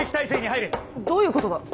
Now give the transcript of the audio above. どういうことだ？